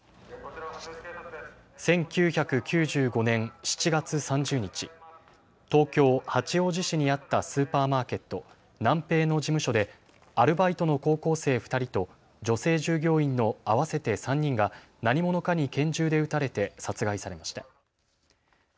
１９９５年７月３０日、東京八王子市にあったスーパーマーケットナンペイの事務所でアルバイトの高校生２人と女性従業員の合わせて３人が何者かに拳銃で撃たれて殺害されました。